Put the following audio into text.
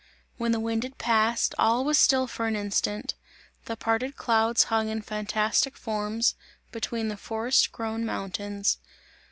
When the wind had passed, all was still for an instant; the parted clouds hung in fantastic forms between the forest grown mountains.